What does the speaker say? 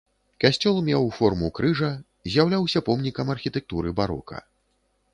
Касцёл меў форму крыжа, з'яўляўся помнікам архітэктуры барока.